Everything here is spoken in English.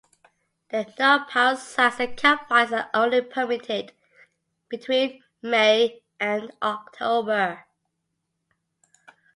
There are no powered sites, and campfires are only permitted between May and October.